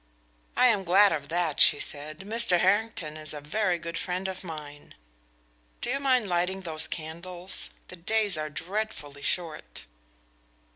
"I am glad of that," she said; "Mr. Harrington is a very good friend of mine. Do you mind lighting those candles? The days are dreadfully short."